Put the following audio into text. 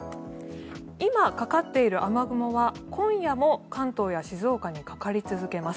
今、かかっている雨雲は今夜も関東や静岡にかかり続けます。